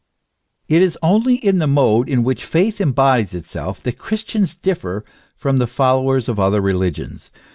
It is only in the mode in which faith embodies itself that Christians differ from the followers of other religions.